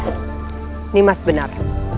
ini mas benar